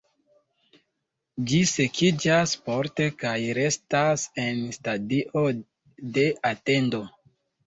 Ĝi sekiĝas porte kaj restas en stadio de atendo.